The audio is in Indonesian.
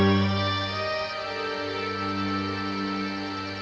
satu satu hari tambahan putri gayel menjadi suai eighteen